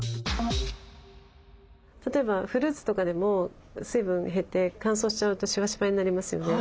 例えばフルーツとかでも水分減って乾燥しちゃうとしわしわになりますよね。